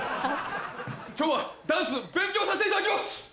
今日はダンス勉強させていただきます！